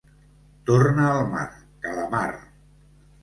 Torna al mar, calamar!